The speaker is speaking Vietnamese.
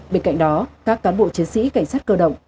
bên cạnh đó các cán bộ chiến sĩ cảnh sát cơ động